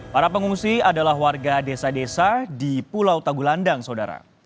para pengungsi adalah warga desa desa di pulau tagulandang saudara